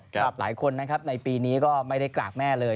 หลายคนนะครับในปีนี้ก็ไม่ได้กราบแม่เลย